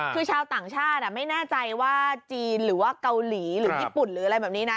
คือชาวต่างชาติไม่แน่ใจว่าจีนหรือว่าเกาหลีหรือญี่ปุ่นหรืออะไรแบบนี้นะ